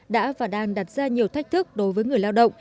đã và đang đặt ra nhiều thách thức đối với người lao động